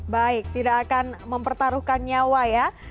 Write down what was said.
baik tidak akan mempertaruhkan nyawa ya